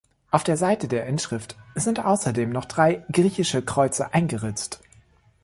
Auf der Seite der Inschrift sind außerdem noch drei griechische Kreuze eingeritzt.